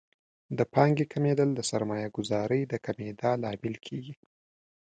د پانګې کمیدل د سرمایه ګذارۍ د کمیدا لامل کیږي.